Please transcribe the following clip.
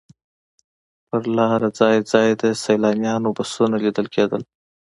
پر لاره ځای ځای د سیلانیانو بسونه لیدل کېدل.